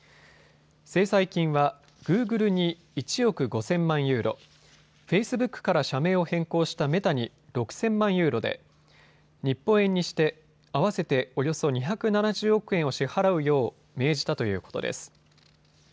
制裁金はグーグルに１億５０００万ユーロ、フェイスブックから社名を変更したメタに６０００万ユーロで日本円にして合わせておよそ２７０億円を支払うよう命じたということです。